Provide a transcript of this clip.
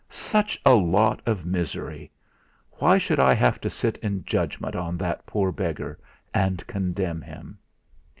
'Such a lot of misery! Why should I have to sit in judgment on that poor beggar, and condemn him?'